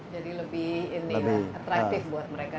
jadi lebih ini atractive buat mereka